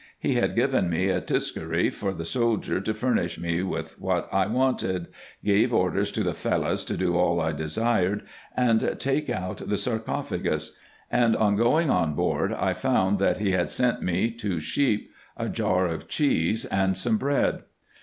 He had given me a tiscary for the soldier to furnish me with what I wanted, gave orders to the Fellahs to do all I desired, and take out the sarcophagus; and on going on board, I found that he had sent me two sheep, a jar of cheese, and some bread.